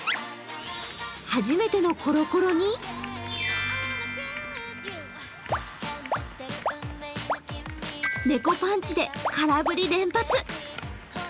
はじめてのコロコロに猫パンチで空振り連発。